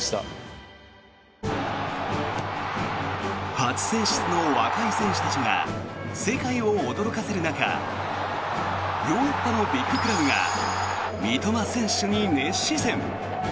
初選出の若い選手たちが世界を驚かせる中ヨーロッパのビッグクラブが三笘選手に熱視線。